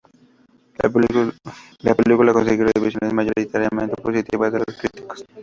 La película consiguió revisiones mayoritariamente positivas de los críticos.